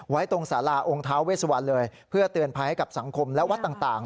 ตรงสาราองค์ท้าเวสวันเลยเพื่อเตือนภัยให้กับสังคมและวัดต่าง